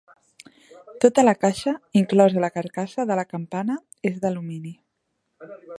Tota la caixa, inclosa la carcassa de la campana, és d'alumini.